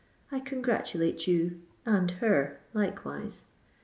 I congratulate you—and her likewise.